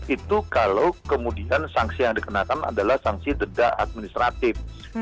itu kalau kemudian sanksi yang dikenakan adalah sanksi denda administratif